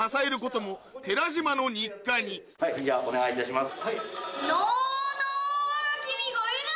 じゃあお願いいたします。